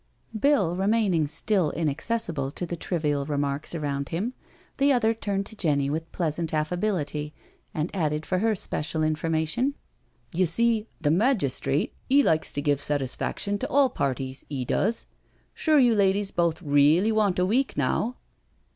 Bill remaining still inaccessible to the trivial remarks around him, the other turned to Jenny with pleasant affability and added for her special information: tN THE COURTYARD 75 " Ye see the magistrate 'e likes to give satisfaction to all parties, 'e does. Sure you ladies both reely want a week now?"